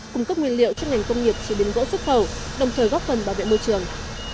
cung cấp nguyên liệu cho ngành công nghiệp chế biến gỗ xuất khẩu đồng thời góp phần bảo vệ môi trường